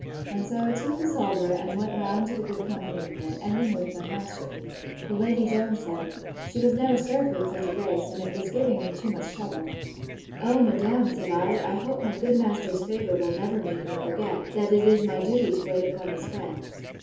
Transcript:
And so I took the salver, and went round to the good company with it, ending with my master. The Lady Jones said, She never was served with such a grace, and it was giving me too much trouble. O, madam, said I, I hope my good master's favour will never make me forget, that it is my duty to wait upon his friends.